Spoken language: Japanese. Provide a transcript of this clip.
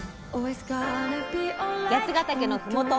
八ヶ岳のふもと